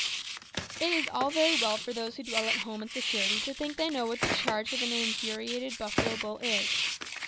It is all very well for those who dwell at home in security to think they know what the charge of an infuriated buffalo bull is.